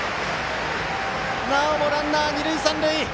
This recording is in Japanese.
なおもランナー、二塁三塁。